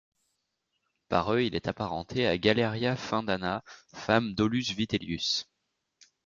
Par eux, il est apparenté à Galeria Fundana, femme d'Aulus Vitellius.